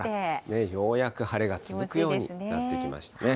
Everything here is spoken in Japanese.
ようやく晴れが続くようになってきましたね。